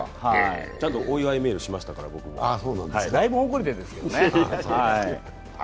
ちゃんとお祝いメールしましたから僕もだいぶ遅れてですけどね。